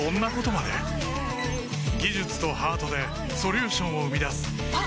技術とハートでソリューションを生み出すあっ！